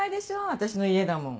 私の家だもん。